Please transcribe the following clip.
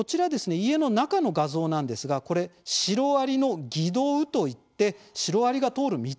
家の中の画像なんですがこれ、シロアリの蟻道といって、シロアリが通る道です。